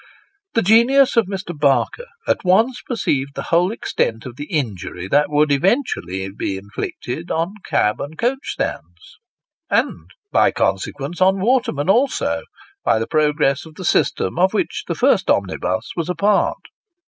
The genius of Mr. Barker at once perceived the whole extent of the injury that would be eventually inflicted on cab and coach stands, and, by consequence, on watermen also, by the progress of the system of which the first omnibus was a no Sketches by part.